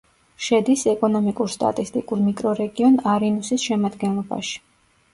შედის ეკონომიკურ-სტატისტიკურ მიკრორეგიონ არინუსის შემადგენლობაში.